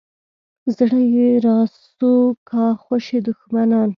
زړه یې راسو کا خوشي دښمنان.